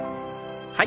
はい。